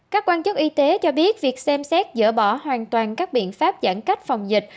các quan chức y tế cho biết việc xem xét dỡ bỏ hoàn toàn các biện pháp giãn cách phòng dịch